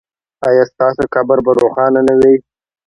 ایا ستاسو قبر به روښانه نه وي؟